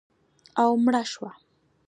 او مړه شوه